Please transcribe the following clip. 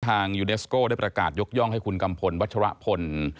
ยูเนสโก้ได้ประกาศยกย่องให้คุณกัมพลวัชรพล